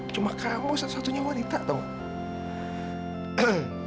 cuma kamu satu satunya wanita tau gak